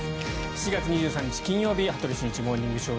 ７月２３日、金曜日「羽鳥慎一モーニングショー」。